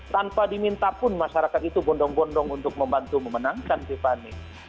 tanpa diminta pun masyarakat itu bondong bondong untuk membantu memenangkan tiffany